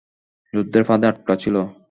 যুদ্ধের ফাঁদে আটকা ছিল!